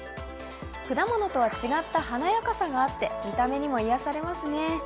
果物とは違った華やかさがあって見た目にも癒やされますね。